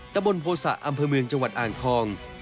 ตะบนโภษะอำเภอเมืองจังหวัดอ่างทอง